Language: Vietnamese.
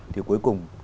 thì cuối cùng